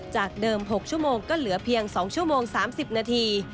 จากเดิม๖ชั่วโมงก็เหลือเพียง๒ชั่วโมง๓๐นาที